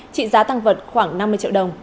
trị giá tăng vật khoảng năm mươi triệu đồng